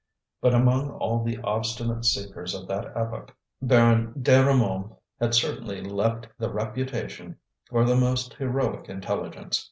But among all the obstinate seekers of that epoch, Baron Desrumaux had certainly left the reputation for the most heroic intelligence.